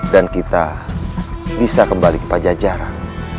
dan kita bisa kembali ke pajajaran